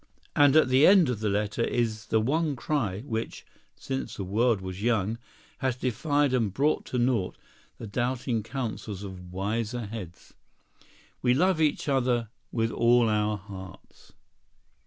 And at the end of the letter is the one cry which, since the world was young, has defied and brought to naught the doubting counsels of wiser heads: "We love each other with all our hearts."